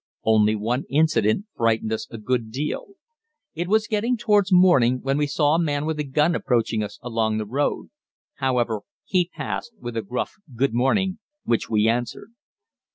Only one incident frightened us a good deal. It was getting towards morning when we saw a man with a gun approaching us along the road. However, he passed with a gruff "Good morning," which we answered.